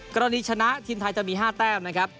กรณีชนะทีมไทยจะมี๕แต้มนะครับ